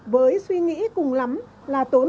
với suy nghĩ cùng lắm là tốn